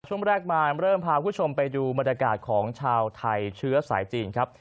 ช่วงแรกมาเริ่มพาคุณผู้ชมไปดูบรรยากาศของชาวไทยเชื้อสายจีนครับ